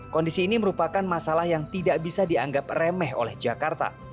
kondisi ini merupakan masalah yang tidak bisa dianggap remeh oleh jakarta